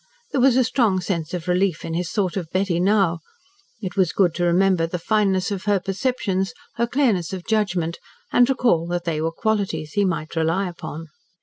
There was a strong sense of relief in his thought of Betty now. It was good to remember the fineness of her perceptions, her clearness of judgment, and recall that they were qualities he might rely upon.